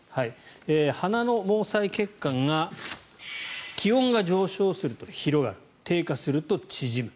鼻の毛細血管が気温が上昇すると広がる低下すると縮む。